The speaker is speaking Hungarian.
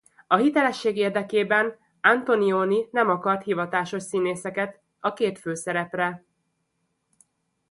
A hitelesség érdekében Antonioni nem akart hivatásos színészeket a két főszerepre.